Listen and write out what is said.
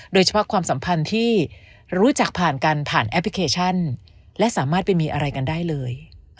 ความสัมพันธ์ที่รู้จักผ่านกันผ่านแอปพลิเคชันและสามารถไปมีอะไรกันได้เลย